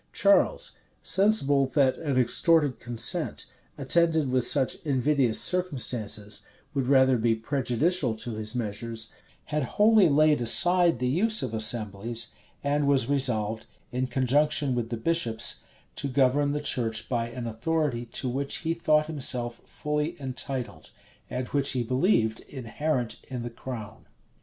Charles, sensible that an extorted consent, attended with such invidious circumstances, would rather be prejudicial to his measures, had wholly laid aside the use of assemblies, and was resolved, in conjunction with the bishops, to govern the church by an authority to which he thought himself fully entitled, and which he believed inherent in the crown.